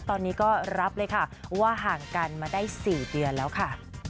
ตอนนี้ก็รับเลยค่ะว่าห่างกันมาได้๔เดือนแล้วค่ะ